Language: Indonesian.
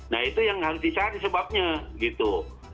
nah itu yang harus dicari sebabnya gitu